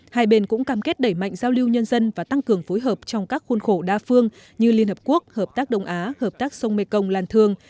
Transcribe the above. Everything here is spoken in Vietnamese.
hai bên cũng cam kết đẩy mạnh giao lưu nhân dân và tăng cường phối hợp trong các khuôn khổ đa phương như liên hợp quốc hợp tác đông á hợp tác sông mekong lan thương